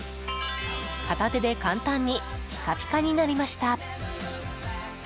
片手で簡単にピカピカになりました。